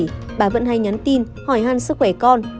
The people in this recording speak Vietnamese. chị t nhận được thông tin hỏi hăn sức khỏe con